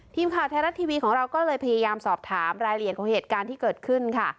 ทีมข่าวไทยรัฐทีวีของเราก็เลยพยายามสอบถามรายละเอียดของเหตุการณ์ที่เกิดขึ้นค่ะ